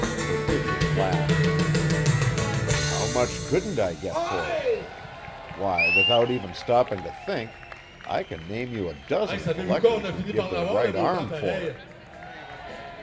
Perfidion laughed. "How much couldn't I get for it! Why, without even stopping to think I can name you a dozen collectors who'd give their right arm for it."